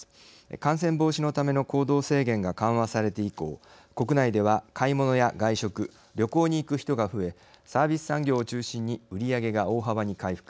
感染防止のための行動制限が緩和されて以降国内では、買い物や外食旅行に行く人が増えサービス産業を中心に売り上げが大幅に回復。